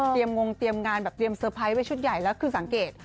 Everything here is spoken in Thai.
เตรียมงงเตรียมงานเตรียมเซอร์ไพรส์ไปชุดใหญ่แล้วคือสังเกต